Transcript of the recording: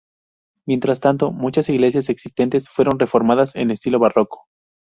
Mientras tanto, muchas iglesias existentes fueron reformadas en estilo barroco.